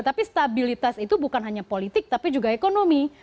tapi stabilitas itu bukan hanya politik tapi juga ekonomi